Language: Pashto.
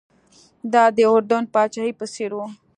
دا د اردن پاچاهۍ په څېر و.